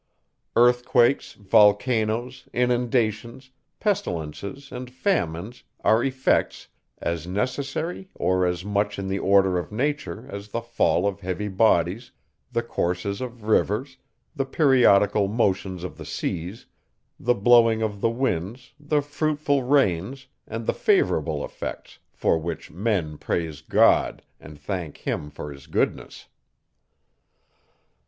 Earthquakes, volcanoes, inundations, pestilences, and famines are effects as necessary, or as much in the order of nature, as the fall of heavy bodies, the courses of rivers, the periodical motions of the seas, the blowing of the winds, the fruitful rains, and the favourable effects, for which men praise God, and thank him for his goodness.